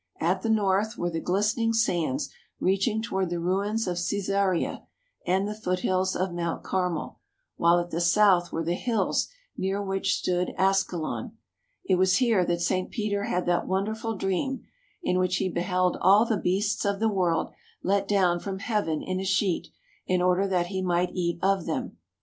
At the north were the glistening sands reaching toward the ruins of Caesarea and the foothills of Mount Carmel, while at the south were the hills near which stood Askalon. It was here that St. Peter had that wonderful dream, in which he beheld all the beasts of the world let down from heaven in a sheet, in order that he might eat of them.